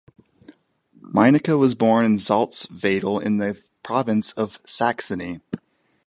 Meinecke was born in Salzwedel in the Province of Saxony.